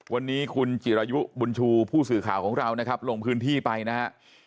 วันนี้คุณจิรายุบุญชูผู้สื่อข่าวของเรานะครับลงพื้นที่ไปนะฮะ